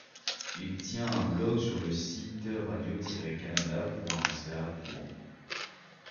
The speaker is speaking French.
Il tient un blog sur le site Radio-Canada.ca.